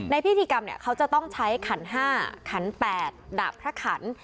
พิธีกรรมเขาจะต้องใช้ขัน๕ขัน๘ดาบพระขัน